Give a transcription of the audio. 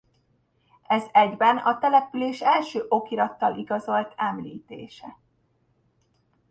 Ez egyben a település első okirattal igazolt említése.